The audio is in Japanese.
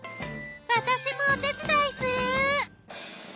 私もお手伝いする。